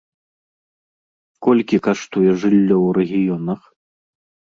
Колькі каштуе жыллё ў рэгіёнах?